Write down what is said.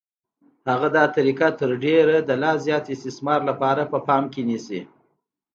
هغه دا طریقه تر ډېره د لا زیات استثمار لپاره په پام کې نیسي